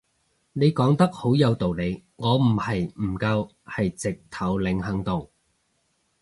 你講得好有道理，我唔係唔夠係直頭零行動